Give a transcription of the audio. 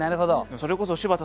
それこそ柴田さん